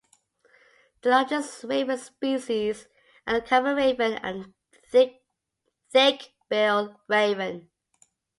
The largest raven species are the common raven and the thick-billed raven.